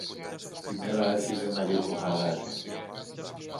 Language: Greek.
Η μέρα άρχιζε να γλυκοχαράζει.